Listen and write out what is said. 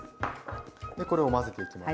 これを混ぜていきます。